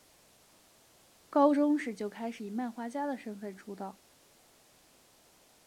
高中时就开始以漫画家的身份出道。